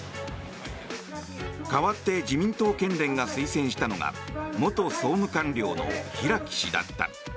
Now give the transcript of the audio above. かわって自民党県連が推薦したのが元総務官僚の平木氏だった。